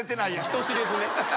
人知れずね。